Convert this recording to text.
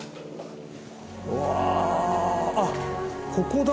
うわああっここだ。